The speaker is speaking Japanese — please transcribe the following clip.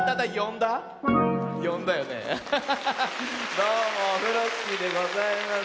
どうもオフロスキーでございます。